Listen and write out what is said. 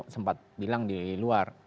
sempat bilang di luar